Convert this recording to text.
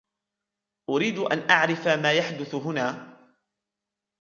أريد أن أعرف ما يحدث هنا.